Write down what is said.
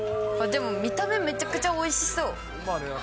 でも見た目、めちゃくちゃおいしそう。